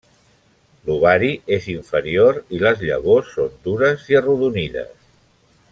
L'ovari és inferior i les llavors són dures i arrodonides.